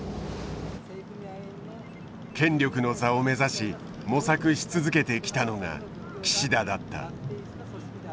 権力の座を目指し模索し続けてきたのが岸田だった。